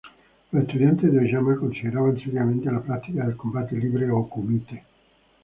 Los estudiantes de Oyama consideraban seriamente la práctica del combate libre o kumite.